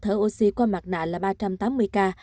thở oxy qua mặt nạ là ba trăm tám mươi ca